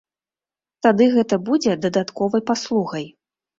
Тады гэта будзе дадатковай паслугай.